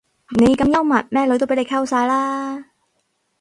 你咁幽默咩女都俾你溝晒啦